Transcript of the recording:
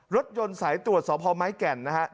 รถยนต์สายตรวจสาวพอไม้กันนะครับ